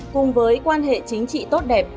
cùng với quan hệ chính trị tốt đẹp